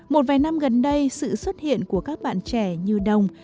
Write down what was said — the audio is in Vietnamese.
một vài năm gần đây sự xuất hiện của các bạn trẻ như đông